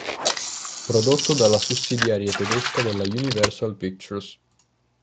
Prodotto dalla sussidiaria tedesca della Universal Pictures.